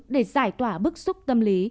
để giải tỏa bức xúc tâm lý